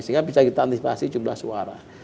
sehingga bisa kita antisipasi jumlah suara